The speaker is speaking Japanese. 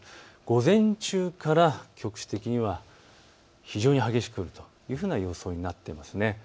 午前中から局地的には非常に激しく降るというふうな予想になっています。